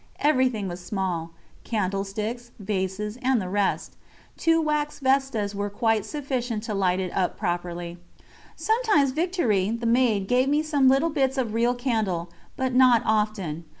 Everything was small candlesticks, vases, and the rest; two wax vestas were quite sufficient to light it up properly. Sometimes Victoire, the maid, gave me some little bits of real candle, but not often.